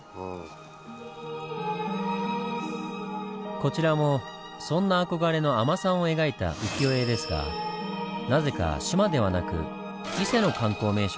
こちらもそんな憧れの海女さんを描いた浮世絵ですがなぜか志摩ではなく伊勢の観光名所が描かれています。